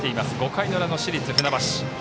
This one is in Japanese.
５回の裏の市立船橋。